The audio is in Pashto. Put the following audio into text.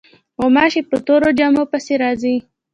غوماشې په تورو جامو پسې راځي.